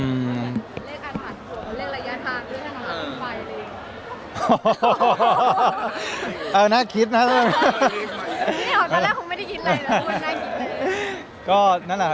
มันค่อนข้างโอเค